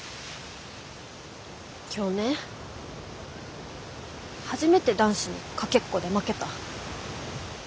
今日ね初めて男子にかけっこで負けた。